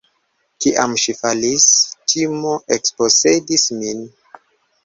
Kiam ŝi falis, timo ekposedis min.